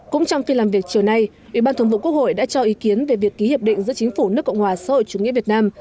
cũng trong phiên làm việc chiều nay ủy ban thường vụ quốc hội đã cho ý kiến về việc ký hiệp định giữa chính phủ nước cộng hòa xã hội chủ nghĩa việt nam